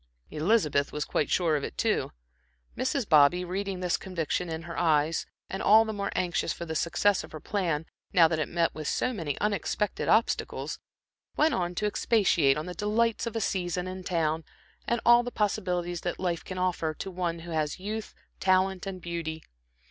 Elizabeth was quite sure of it, too. Mrs. Bobby, reading this conviction in her eyes, and all the more anxious for the success of her plan, now that it met with so many unexpected obstacles, went on to expatiate on the delights of a season in town, and all the possibilities that life can offer, to one who has youth, talent and beauty.